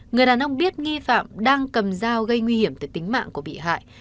người đàn ông biết nghi phạm đang cầm dao gây nguy hiểm tới tính mạng của bị hại